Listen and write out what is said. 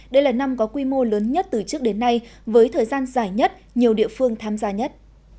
đây là năm có quy mô lớn nhất từ trước đến nay với thời gian dài nhất nhiều địa phương tham gia nhất